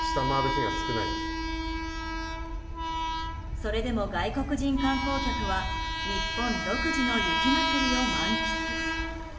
それでも外国人観光客は日本独自の雪まつりを満喫。